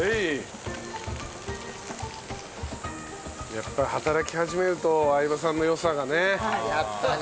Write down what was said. やっぱり働き始めると相葉さんの良さがね。やっぱね。